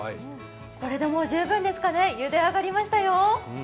これでもう十分ですかね、ゆで上がりましたよ。